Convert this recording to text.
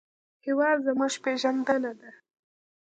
هېواد زموږ پېژندنه ده